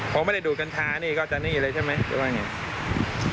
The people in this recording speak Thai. ผมไม่ได้ดูดกัญชานี่ก็จะนี่เลยใช่ไหม